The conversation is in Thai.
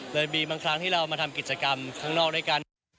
เลยมีบางครั้งที่เรามาทำกิจกรรมข้างนอกด้วยกัน